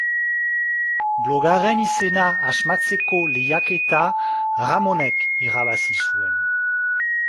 Blogaren izena asmatzeko lehiaketa Ramonek irabazi zuen.